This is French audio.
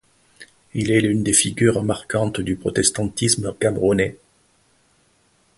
Il est l'une des figures marquantes du protestantisme camerounais.